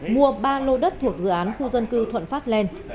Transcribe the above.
mua ba lô đất thuộc dự án khu dân cư thuận phát lên